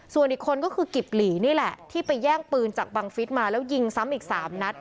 ส่วนอีกคนก็คือกิบหลีนี่แหละที่ไปแย่งปืนจากบังฟิศมาแล้วยิงซ้ำอีก๓นัด